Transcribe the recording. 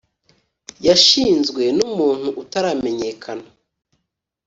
yashinzwe n’umuntu utaramenyekana